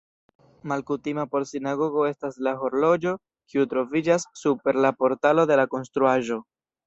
Malkutima por sinagogo estas la horloĝo, kiu troviĝas super la portalo de la konstruaĵo.